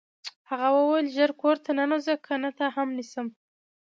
هغه وویل ژر کور ته ننوځه کنه تا هم نیسم